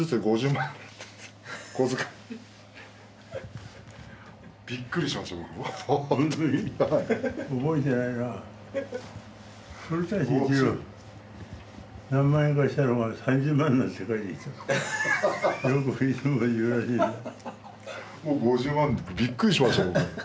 ５０万びっくりしましたぼく。